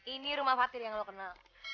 ini rumah fatir yang lo kenal